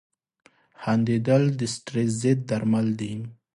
• خندېدل د سټرېس ضد درمل دي.